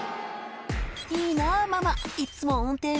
「いいなママいっつも運転して」